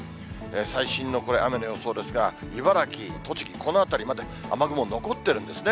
最新のこれ、雨の予想ですが、茨城、栃木、この辺りまで雨雲残ってるんですね。